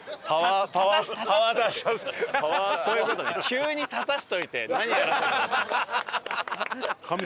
急に立たせといて何やらせるのかと。